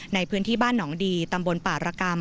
ในพื้นที่บ้านหนองดีตำบลป่ารกรรม